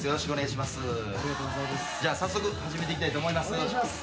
じゃあ早速始めていきたいと思います。